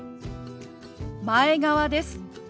前川です。